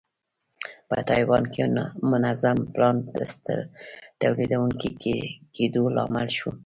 په تایوان کې منظم پلان د ستر تولیدوونکي کېدو لامل شو.